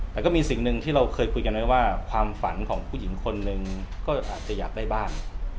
แต่มีสิ่งหนึ่งที่เราคิดว่าความฝันของผู้หญิงคนนึงก็ควรจะอยากได้บ้าน